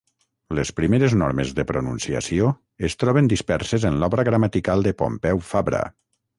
Les primeres normes de pronunciació es troben disperses en l'obra gramatical de Pompeu Fabra.